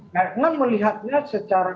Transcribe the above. dengan melihatnya secara